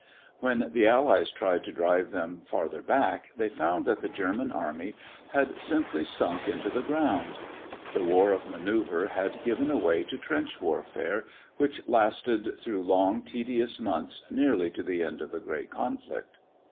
When the Allies tried to drive them farther back, they found that the German army had simply sunk into the ground. The war of manoeuver had given way to trench warfare, which lasted through long, tedious months nearly to the end of the great conflict.